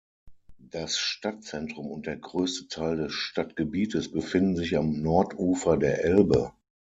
Das Stadtzentrum und der größte Teil des Stadtgebietes befinden sich am Nordufer der Elbe.